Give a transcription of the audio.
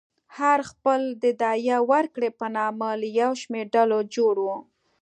هر خېل د دیه ورکړې په نامه له یو شمېر ډلو جوړ و.